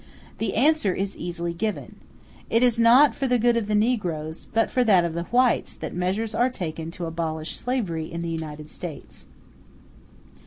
The answer is easily given. It is not for the good of the negroes, but for that of the whites, that measures are taken to abolish slavery in the United States.